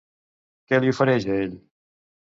Què li ofereix a ell?